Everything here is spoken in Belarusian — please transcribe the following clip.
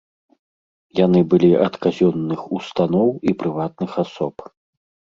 Яны былі ад казённых устаноў і прыватных асоб.